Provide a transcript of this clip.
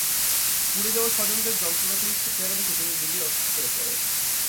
পুড়ে যাওয়া স্বজনদের যন্ত্রণাক্লিষ্ট চেহারা দেখে তিনি নিজেই অসুস্থ হয়ে পড়েন।